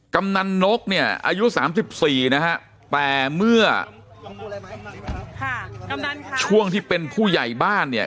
กำนันนกเนี่ยอายุ๓๔นะฮะแต่เมื่อช่วงที่เป็นผู้ใหญ่บ้านเนี่ย